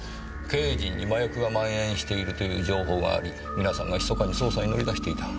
経営陣に麻薬が蔓延しているという情報があり皆さんが密かに捜査に乗り出していた。